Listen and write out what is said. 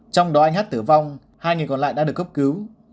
trong đó anh hát tử vong hai người còn lại đã được cấp cứu